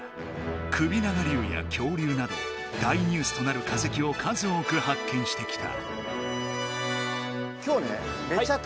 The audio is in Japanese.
首長竜や恐竜など大ニュースとなる化石を数多く発見してきた。